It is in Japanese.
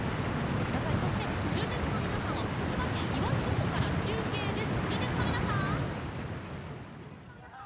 純烈の皆さんは福島県いわき市から中継です。